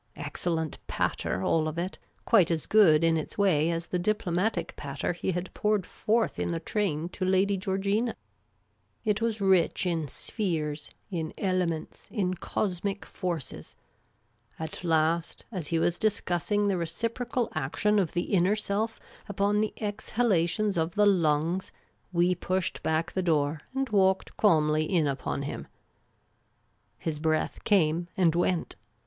Excellent pat ter, all of it — quite as good in its way as the diplomatic patter he had poured forth in the train to Lady Georgina. It was rich in spheres, in elements, in cosmic forces. At last, as he was discussing the reciprocal action of the inner self upon the exhalations of the lungs, we pushed back the door and walked calmly in upon him. His breath came and went.